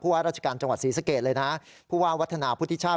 เพราะว่าราชการจังหวัดศรีสเกตเลยนะเพราะว่าวัฒนาพุทธิชาพ